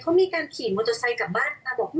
เค้ามีการขี่มอเตอร์ไซค์กลับบ้าน